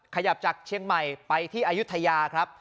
ขยับจากเชียงใหม่ไปที่อายุทยาครับ